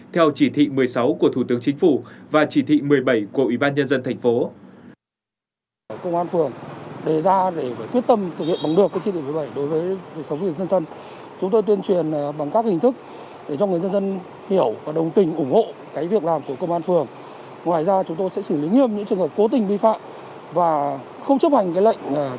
theo chỉ thị một mươi sáu của thủ tướng chính phủ và chỉ thị một mươi bảy của ủy ban nhân dân thành phố